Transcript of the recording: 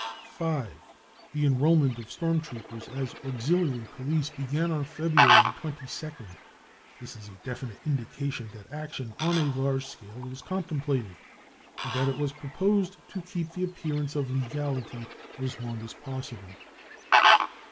5. The enrolment of storm troopers as auxiliary police began on February 22nd ; this is a definite indication that action on a large scale was contemplated and that it was proposed to keep the appearance of legality as dong as possible.